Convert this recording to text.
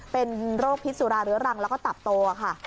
เป็นโรคพิษสุราเรื้อรังแล้วก็ตับโตค่ะ